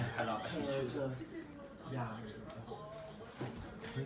อ๋อคือ